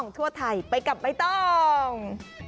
ทั่วไทยไปกับใบตอง